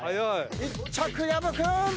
１着薮君！